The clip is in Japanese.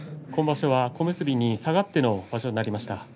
今場所は小結に下がっての場所になりました。